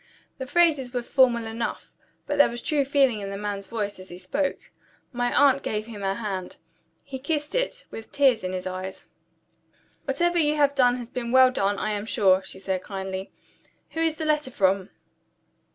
The phrases were formal enough; but there was true feeling in the man's voice as he spoke. My aunt gave him her hand. He kissed it, with the tears in his eyes. "Whatever you have done has been well done, I am sure," she said kindly. "Who is the letter from?"